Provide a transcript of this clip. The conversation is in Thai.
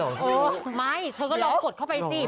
เออไม่เธอก็ลองกดเข้าไปสิ